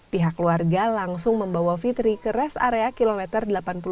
pihak keluarga langsung membawa fitri ke res area kilometer delapan puluh dua